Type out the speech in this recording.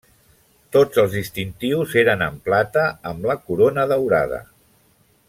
Tots els distintius eren en plata, amb la corona daurada.